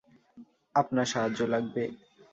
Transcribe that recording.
আপনার সাহায্য লাগবে!